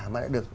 mà lại được